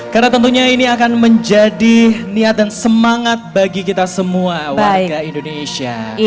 karena tentunya ini akan menjadi niat dan semangat bagi kita semua warga indonesia